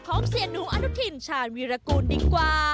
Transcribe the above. ของเสียหนูอนุทินชาญวีรกูลดีกว่า